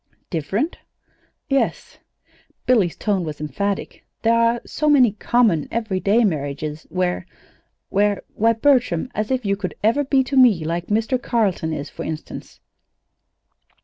"Different?" "Yes." Billy's tone was emphatic. "There are so many common, everyday marriages where where Why, Bertram, as if you could ever be to me like like Mr. Carleton is, for instance!"